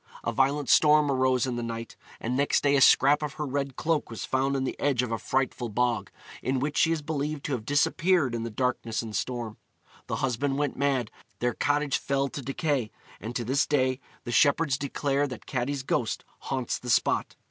A violent storm arose in the night, and next day a scrap of her red cloak was found on the edge of a frightful bog, in which she is believed to have disappeared in the darkness and storm. The husband went mad; their cottage fell to decay; and to this day the shepherds declare that Catti's ghost haunts the spot.